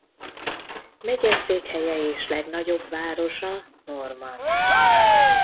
Megyeszékhelye és legnagyobb városa Norman.